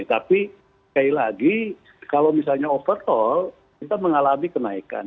tapi sekali lagi kalau misalnya overtol kita mengalami kenaikan